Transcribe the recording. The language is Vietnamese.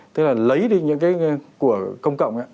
tức là lấy đi những cái của công cộng